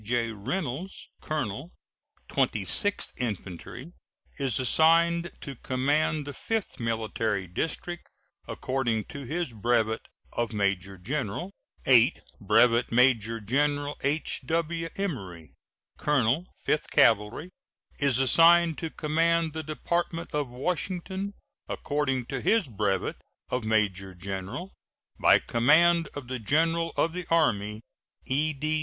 J. Reynolds, colonel Twenty sixth Infantry, is assigned to command the Fifth Military District, according to his brevet of major general. 8. Brevet Major General W.H. Emory, colonel Fifth Cavalry, is assigned to command the Department of Washington, according to his brevet of major general. By command of the General of the Army: E.D.